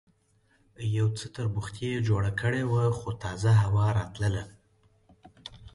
یو څه تربوختي یې جوړه کړې وه، خو تازه هوا راتلله.